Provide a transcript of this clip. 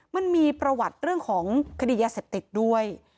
มันมีประวัติเรื่องของคดียาเสพติดด้วย